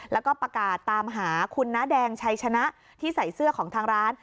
แล้วก็ประกาศตามหาคุณน้าแดงชัยชนะที่ใส่เสื้อของทางร้าน